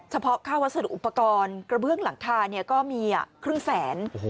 เฉพาะค่าวัสดุอุปกรณ์กระเบื้องหลังคาก็มีครึ่งแสน